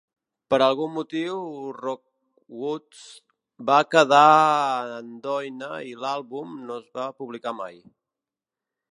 Per algun motiu, Rockwoodz va quedar en doina i l'àlbum no es va publicar mai.